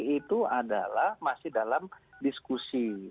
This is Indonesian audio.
itu adalah masih dalam diskusi